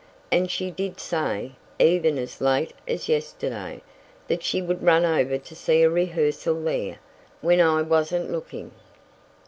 "And she did say, even as late as yesterday, that she would run over to see a rehearsal there when I wasn't looking."